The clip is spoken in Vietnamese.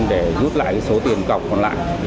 để rút lại số tiền cọc còn lại